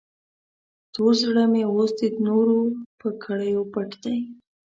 تور زړه مې اوس د نور په کړیو پټ دی.